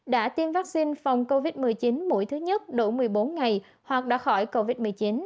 đã tiêm vaccine phòng covid một mươi chín mũi thứ nhất đủ một mươi bốn ngày hoặc đã khỏi covid một mươi chín